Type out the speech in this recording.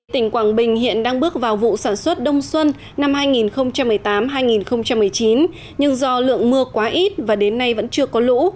tỉnh quảng bình hiện đang bước vào vụ sản xuất đông xuân năm hai nghìn một mươi tám hai nghìn một mươi chín nhưng do lượng mưa quá ít và đến nay vẫn chưa có lũ